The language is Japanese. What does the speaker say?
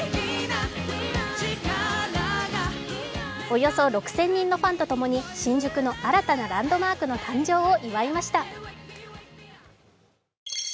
およそ６０００人のファンと共に新宿の新たなランドマークの誕生を祝いました。